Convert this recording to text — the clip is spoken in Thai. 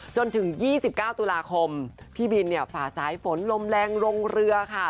จนถึง๒๙ตุลาคมพี่บินเนี่ยฝ่าสายฝนลมแรงลงเรือค่ะ